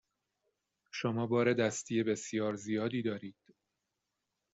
شما بار دستی بسیار زیادی دارید.